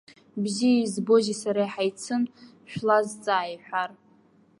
Бзиа избози сареи ҳаицын, шәлазҵаа иҳәар.